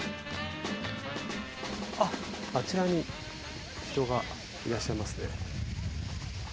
あっあちらに人がいらっしゃいますね。